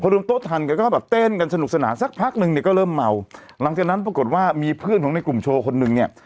รวมโต๊ะทันแกก็แบบเต้นกันสนุกสนานสักพักนึงเนี่ยก็เริ่มเมาหลังจากนั้นปรากฏว่ามีเพื่อนของในกลุ่มโชว์คนนึงเนี่ย